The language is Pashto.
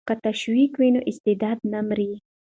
که تشویق وي نو استعداد نه مري.